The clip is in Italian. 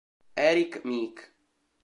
Erik Meek